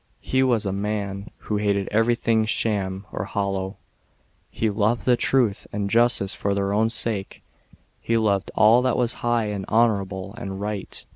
He was V man who hated everything sham, or hollow. He loved truth 'and justice for their 1 own sake; he loved all that was high, and honourable, and right.